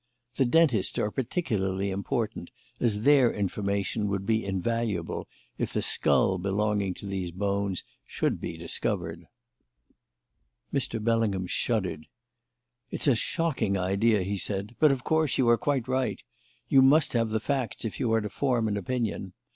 The dentists are particularly important, as their information would be invaluable if the skull belonging to these bones should be discovered." Mr. Bellingham shuddered. "It's a shocking idea," he said; "but, of course, you are quite right. You must have the facts if you are to form an opinion.